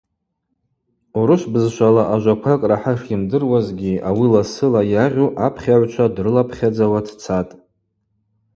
Урышв бызшвала ажваквакӏ рахӏа шйымдыруазгьи ауи ласыла йагъьу апхьагӏвчва дрыларпхьадзауа дцатӏ.